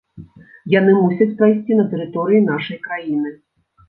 Яны мусяць прайсці на тэрыторыі нашай краіны.